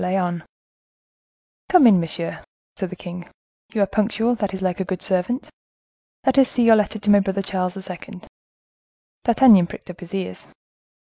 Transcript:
Lyonne. "Come in, monsieur," said the king; "you are punctual; that is like a good servant. Let us see your letter to my brother Charles II." D'Artagnan pricked up his ears.